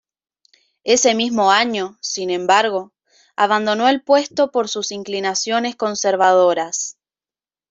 Ese mismo año, sin embargo, abandonó el puesto por sus inclinaciones conservadoras.